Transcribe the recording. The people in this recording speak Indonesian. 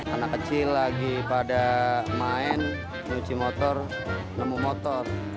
anak kecil lagi pada main nyuci motor nemu motor